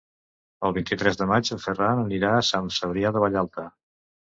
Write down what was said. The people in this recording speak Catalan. El vint-i-tres de maig en Ferran anirà a Sant Cebrià de Vallalta.